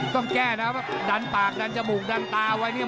ต้องแก้นะดันปากดันจมูกดันตาไว้เนี่ย